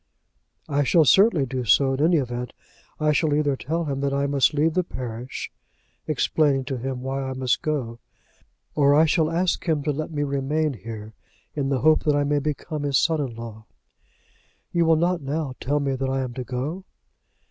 "I shall certainly do so in any event. I shall either tell him that I must leave the parish, explaining to him why I must go; or I shall ask him to let me remain here in the hope that I may become his son in law. You will not now tell me that I am to go?"